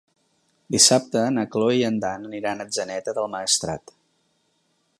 Dissabte na Cloè i en Dan aniran a Atzeneta del Maestrat.